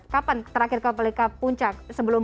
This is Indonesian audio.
kapan terakhir koplika puncak sebelum